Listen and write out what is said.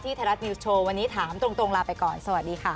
ไทยรัฐนิวส์โชว์วันนี้ถามตรงลาไปก่อนสวัสดีค่ะ